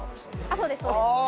そうですそうです。